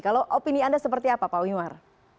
kalau opini anda seperti apa pak wimar